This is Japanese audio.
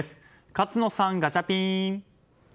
勝野さん、ガチャピン。